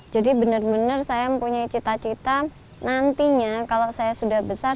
jadi benar benar saya mempunyai cita cita nantinya kalau saya sudah besar